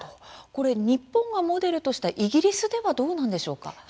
日本がモデルとしたイギリスではどうなんでしょうか。